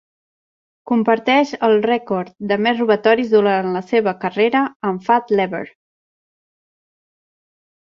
Comparteix el rècord de més robatoris durant la seva carrera amb Fat Lever.